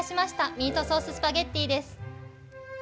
ミートソーススパゲッティです。